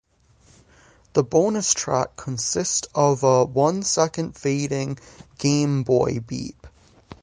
The bonus track consist of a one-second fading Game Boy-beep.